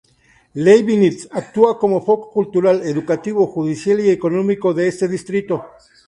Leibnitz actúa como foco cultural, educativo, judicial y económico de este distrito.